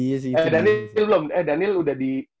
eh daniel belum eh daniel udah di